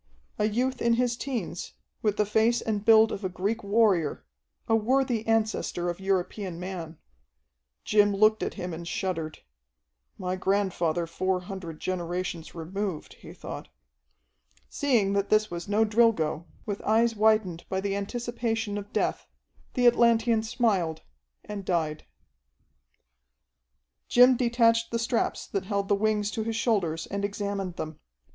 A youth in his teens, with the face and build of a Greek warrior, a worthy ancestor of European man. Jim looked at him and shuddered. "My grandfather four hundred generations removed," he thought. Seeing that this was no Drilgo, with eyes widened by the anticipation of death, the Atlantean smiled, and died. Jim detached the straps that held the wings to his shoulders and examined them.